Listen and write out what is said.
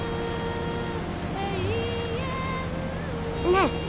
ねえ。